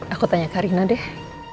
aku tanya karina deh